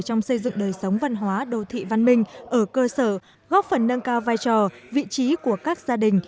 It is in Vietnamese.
trong xây dựng đời sống văn hóa đô thị văn minh ở cơ sở góp phần nâng cao vai trò vị trí của các gia đình